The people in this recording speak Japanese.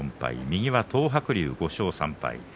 右は東白龍、５勝３敗。